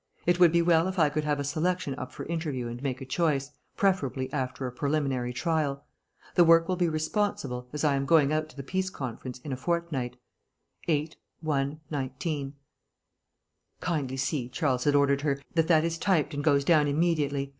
It would be well if I could have a selection up for interview and make a choice, preferably after a preliminary trial. The work will be responsible, as I am going out to the Peace Conference in a fortnight. "8.1.1919." "Kindly see," Charles had ordered her, "that that is typed and goes down immediately.